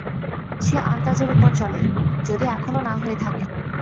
সে আনতাজের উপর চলে, যদি এখনো না হয়ে থাকে।